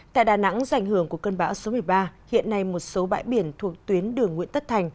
tại đà nẵng do ảnh hưởng của cơn bão số một mươi ba hiện nay một số bãi biển thuộc tuyến đường nguyễn tất thành